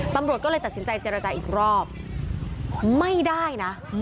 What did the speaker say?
ตำรวจก็เลยตัดสินใจเจรจาอีกรอบไม่ได้นะ